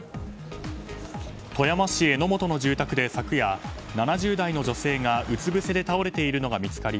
富山市江本の住宅で昨夜７０代の女性がうつ伏せで倒れているのが見つかり